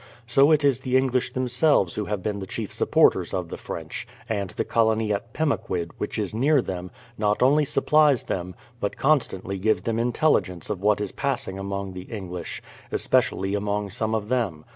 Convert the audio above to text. So it is the English themselves who have been the chief supporters of the French ; and the colony at Pemaquid, which is near them, not only supplies them, but constantly gives them intelligence of what is passing among the English — especially among some of them.